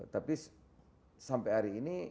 tapi sampai hari ini